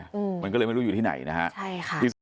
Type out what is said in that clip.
อืมมันก็เลยไม่รู้อยู่ที่ไหนนะฮะใช่ค่ะที่สุด